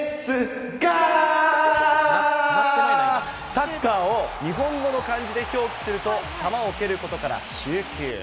サッカーを日本語の漢字で表記すると、球を蹴ることから、蹴球。